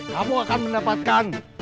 kamu akan mendapatkan